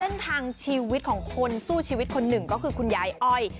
เส้นทางชีวิตของคนสู้ชีวิตคนหนึ่งก็คือคุณยายอ้อย